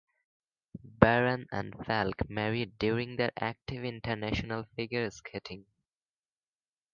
Baran and Falk married during their active international figure skating.